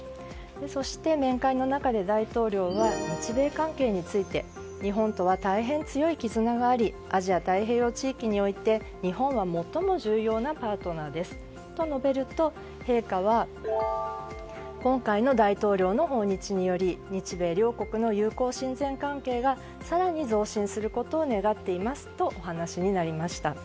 そして面会の中で大統領は日米関係について日本とは大変強い絆がありアジア太平洋地域において日本は最も重要なパートナーですと述べると陛下は今回の大統領の訪日により日米両国の友好親善関係が更に増進することを願っていますとお話になりました。